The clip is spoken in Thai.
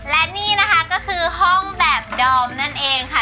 และนี่นะคะก็คือห้องแบบดอมนั่นเองค่ะ